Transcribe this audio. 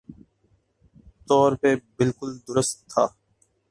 طور پہ بالکل درست تھا